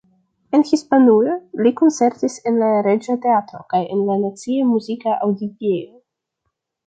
En Hispanujo li koncertis en la Reĝa Teatro kaj en la Nacia Muziko-Aŭdigejo.